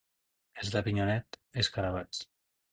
Els d'Avinyonet, escarabats.